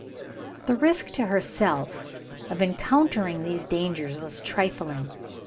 The risk to herself of encountering these dangers was trifling.